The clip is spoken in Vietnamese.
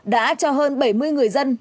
đã cho hơn bảy mươi người dân